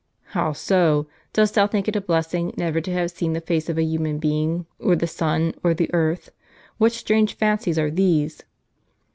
"How so? dost thou think it a blessing never to have seen the face of a human being, or the sun, or the earth ? What strange fancies are these